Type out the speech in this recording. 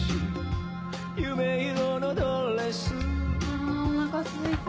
・あおなかすいた。